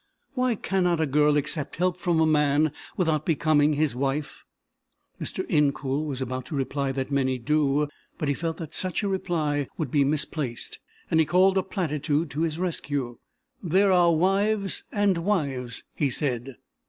Why cannot a girl accept help from a man without becoming his wife?" Mr. Incoul was about to reply that many do, but he felt that such a reply would be misplaced, and he called a platitude to his rescue. "There are wives and wives," he said.